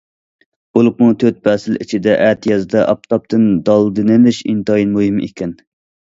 بولۇپمۇ تۆت پەسىل ئىچىدە ئەتىيازدا ئاپتاپتىن دالدىلىنىش ئىنتايىن مۇھىم ئىكەن.